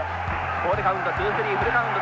ボールカウントツースリーフルカウント。